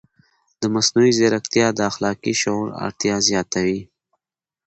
مصنوعي ځیرکتیا د اخلاقي شعور اړتیا زیاتوي.